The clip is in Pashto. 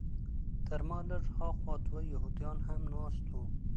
تر ما لږ هاخوا دوه یهودان هم ناست وو.